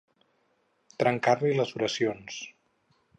Trencar-li les oracions.